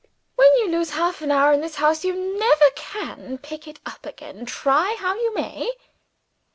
When you lose half an hour in this house, you never can pick it up again, try how you may."